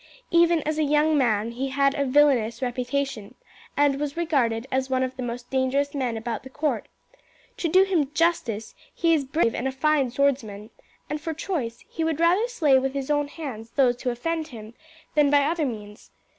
Even as a young man he had a villainous reputation, and was regarded as one of the most dangerous men about the court. To do him justice, he is brave and a fine swordsman, and for choice he would rather slay with his own hands those who offend him than by other means.